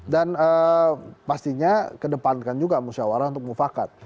dan pastinya kedepankan juga musyawarah untuk mufakat